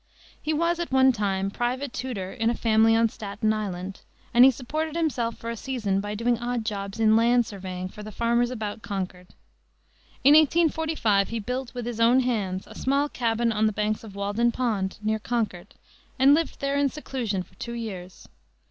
He was at one time private tutor in a family on Staten Island, and he supported himself for a season by doing odd jobs in land surveying for the farmers about Concord. In 1845 he built, with his own hands, a small cabin on the banks of Walden Pond, near Concord, and lived there in seclusion for two years.